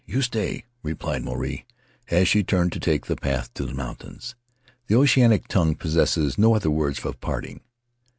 "You stay," replied Maruae, as he turned to take the path to the mountains. The oceanic tongue possesses no other words of parting.